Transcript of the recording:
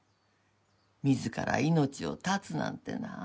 自ら命を絶つなんてなあ。